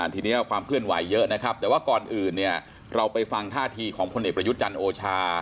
ทีนี้ความเคลื่อนไหวเยอะนะครับแต่ว่าก่อนอื่นเนี่ยเราไปฟังท่าทีของพลเอกประยุทธ์จันทร์โอชา